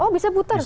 oh bisa putar